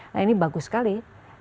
nah ini bagus sekali